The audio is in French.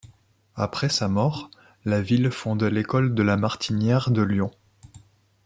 Après sa mort, la ville fonde l’école de La Martinière de Lyon.